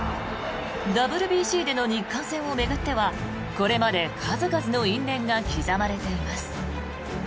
ＷＢＣでの日韓戦を巡ってはこれまで数々の因縁が刻まれています。